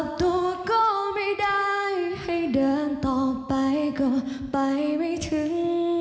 ตัวก็ไม่ได้ให้เดินต่อไปก็ไปไม่ถึง